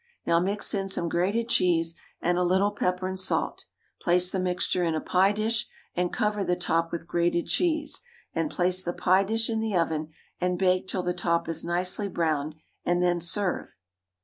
Now mix in some grated cheese and a little pepper and salt, place the mixture in a pie dish, and cover the top with grated cheese, and place the pie dish in the oven and bake till the top is nicely browned, and then serve.